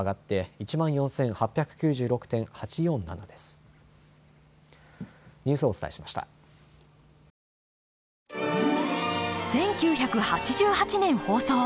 １９８８年放送。